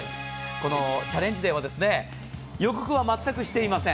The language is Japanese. このチャレンジでは予告は全くしていません。